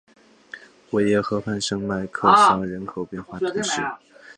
维耶河畔圣迈克桑人口变化图示